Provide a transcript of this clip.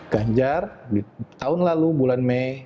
ganjar di tahun lalu bulan mei